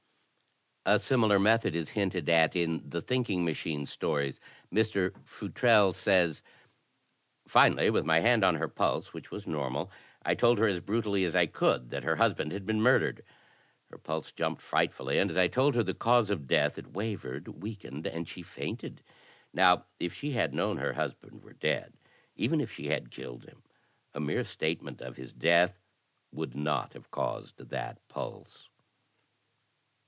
A similar method is hinted at in "The Thinking Machine" stories. Mr. Futrelle says: "Finally, with my hand on her pulse — which was normal — I told her as brutally as I could that her husband had been murdered. Her pulse jumped frightftdly and as I told her the cause of death it wavered, weakened and she fainted. Now if she had known her husband were dead — even if she had killed him — a mere statement of his death would not have caused that pulse."